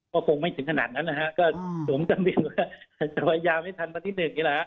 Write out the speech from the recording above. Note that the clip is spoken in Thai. ก็คงไม่ถึงขนาดนั้นนะฮะก็สวมจำเป็นว่าจะพยายามให้ทันพันที่หนึ่งนี่แหละ